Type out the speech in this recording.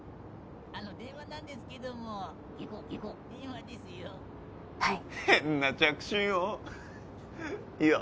あの電話なんですけどもゲコゲコ電話ですよはい変な着信音いいよ